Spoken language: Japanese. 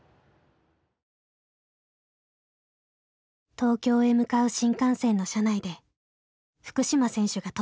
東京へ向かう新幹線の車内で福島選手が撮った写真です。